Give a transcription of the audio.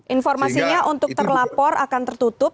informasinya untuk terlapor akan tertutup